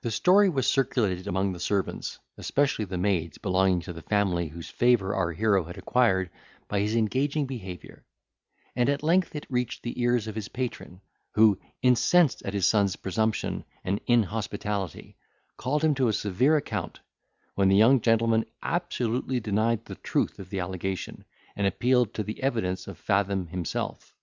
The story was circulated among the servants, especially the maids belonging to the family, whose favour our hero had acquired by his engaging behaviour; and at length it reached the ears of his patron, who, incensed at his son's presumption and inhospitality, called him to a severe account, when the young gentleman absolutely denied the truth of the allegation, and appealed to the evidence of Fathom himself.